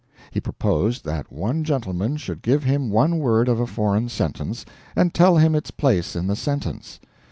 He proposed that one gentleman should give him one word of a foreign sentence, and tell him its place in the sentence.